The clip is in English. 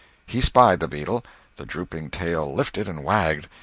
He spied the beetle; the drooping tail lifted and wagged.